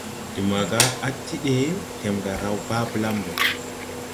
De maaga á ti ɗee, Tɛmga raw baa blam ɓɛ.